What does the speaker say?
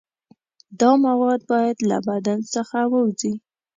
دا مواد باید له بدن څخه ووځي.